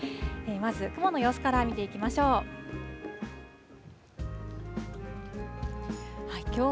まず雲の様子から見ていきましょう。